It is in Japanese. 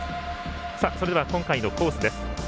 それでは、今回のコースです。